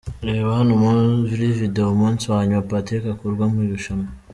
Reba hano muri video umunsi wa nyuma Patrick akurwa mu irushanwa.